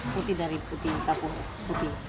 putih dari putih tepung putih